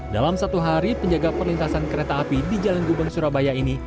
dalam satu hari penjaga perlintasan kereta api di jalan gubeng surabaya ini